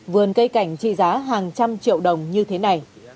vườn cây cảnh trị giá hàng trăm triệu đồng như thế này